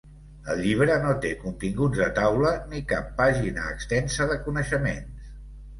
El llibre no té continguts de taula ni cap pàgina extensa de coneixements.